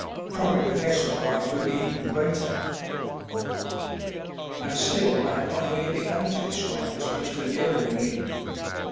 Probably their surprise would be even greater. And still I have not really begun to describe this most alluring inn.